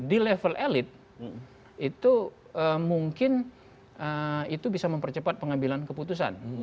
di level elit itu mungkin itu bisa mempercepat pengambilan keputusan